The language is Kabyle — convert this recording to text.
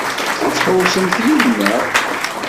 Ad tḥewwsemt yid-neɣ?